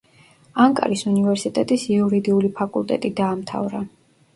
ანკარის უნივერსიტეტის იურიდიული ფაკულტეტი დაამთავრა.